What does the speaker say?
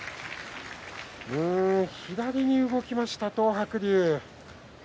左に動きました東白龍。